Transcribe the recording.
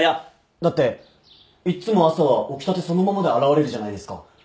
だっていっつも朝は起きたてそのままで現れるじゃないですか。